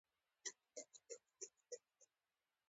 د پاڼې کیدو وړتیا هم لري.